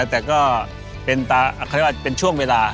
แต่ก็เป็นช่วงเวลา